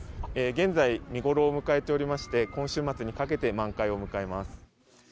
現在、見頃を迎えておりまして、今週末にかけて満開を迎えます。